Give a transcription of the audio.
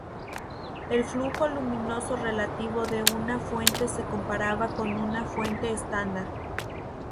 El flujo luminoso relativo de una fuente se comparaba con una fuente estándar.